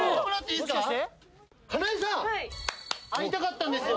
かなえさん会いたかったんですよ